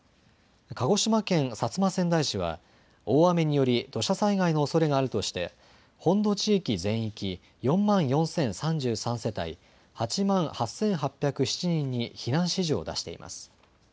鹿児島県薩摩川内市は大雨により土砂災害のおそれがあるとして本土地域全域４万４０３３世帯８万８８０７人に避難指示を出しています。